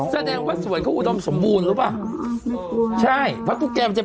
แสดงว่าสวนเขาอุดมสมบูรณ์รู้ป่ะใช่เพราะทุกแก่มันจะเออ